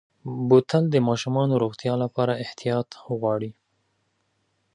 بوتل د ماشومو روغتیا لپاره احتیاط غواړي.